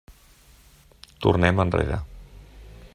Tornem enrere.